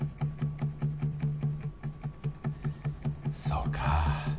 そうか。